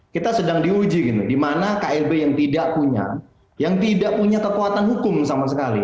kita sedang diuji di mana klb yang tidak punya kekuatan hukum sama sekali